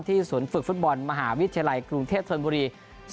ที่สวนฝึกฟุตบอลมหาวิทยาลัยกรุงเทพธรรมบุรี